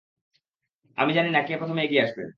আমি জানি না, কে প্রথমে এগিয়ে আসবে।